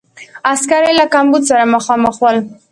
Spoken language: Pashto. عسکر یې له کمبود سره مخامخ ول.